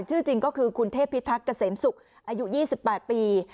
จริงก็คือคุณเทพิทักษมศุกร์อายุ๒๘ปี